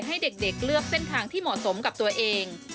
ให้เด็กเลือกเส้นทางที่เหมาะสมกับตัวเอง